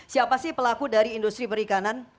siapa sih pelaku dari industri perikanan